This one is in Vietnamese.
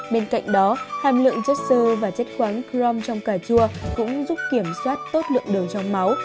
bên cạnh đó hàm lượng chất sơ và chất khoáng crom trong cà chua cũng giúp kiểm soát tốt lượng đường trong máu